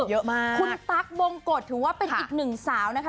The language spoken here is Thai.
เยอะมากคุณตั๊กบงกฎถือว่าเป็นอีกหนึ่งสาวนะคะ